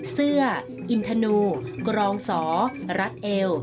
เสื้ออินทนูกรองสอรัดเอว